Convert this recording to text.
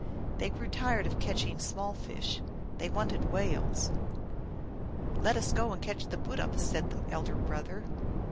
They grew tired of catching small fish ; they wanted whales. " Let us go and catch the Bootup !" said the elder brother.